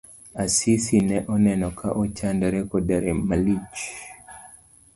Asisi ne oneno ka ochandore koda rem malich.